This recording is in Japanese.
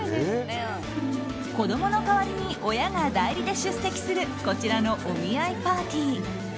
子供の代わりに親が代理で出席するこちらのお見合いパーティー。